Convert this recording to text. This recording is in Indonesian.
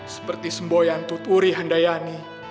seperti semboyan tuturi handayani